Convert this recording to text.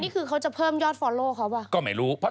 นี่คือเขาจะเพิ่มยอดฟอลโล่เขาเปล่า